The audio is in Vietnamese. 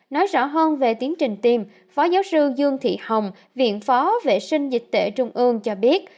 nói rõ hơn về tiến trình tiêm phó giáo sư dương thị hồng viện phó vệ sinh dịch tễ trung ương cho biết